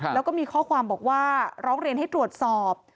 แล้วก็มีข้อความบอกว่าร้องเรียนให้ตรวจสอบ